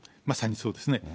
まさにそうですね。